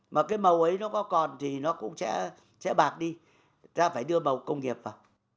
mà cái màu ấy nó có còn thì nó cũng sẽ bạc đi ta phải đưa màu công nghiệp vào